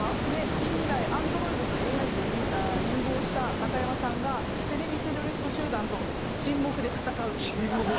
近未来、アンドロイドとＡＩと融合した中山さんがテレビテロリスト集団と沈黙で戦うという。